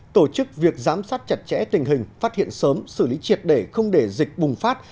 tổ chức việc giám sát chặt chẽ tình hình phát hiện sớm xử lý triệt để không để dịch bùng phát